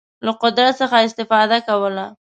له قدرت څخه استفاده کوله.